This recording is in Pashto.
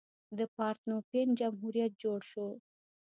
د پارتنوپین جمهوریت جوړ شو.